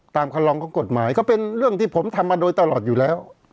คำลองของกฎหมายก็เป็นเรื่องที่ผมทำมาโดยตลอดอยู่แล้ว